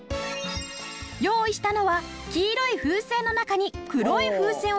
用意したのは黄色い風船の中に黒い風船を入れたもの。